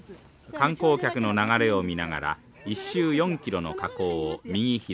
観光客の流れを見ながら１周４キロの火口を右左。